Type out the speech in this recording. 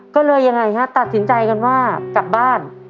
ก็เลยยังไงฮะตัดสินใจกันว่ากลับบ้าน